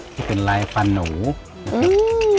ที่เป็นลายฟันหนูนะครับ